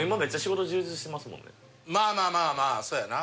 まあまあまあそうやな。